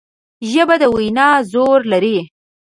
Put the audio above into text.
ژبه د وینا زور لري